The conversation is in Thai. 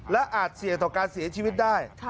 และอาจเสี่ยงต่อการเสียชีวิตได้